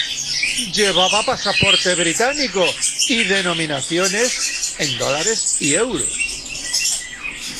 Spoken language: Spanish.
Llevaba pasaporte británico y denominaciones en dólares y euros.